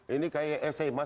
ini kayak sma sama smu aja